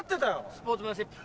スポーツマンシップ。